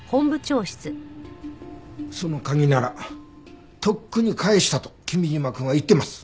その鍵ならとっくに返したと君嶋くんは言ってます。